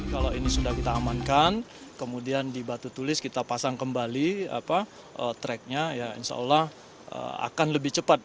kalau ini sudah kita amankan kemudian di batu tulis kita pasang kembali tracknya ya insya allah akan lebih cepat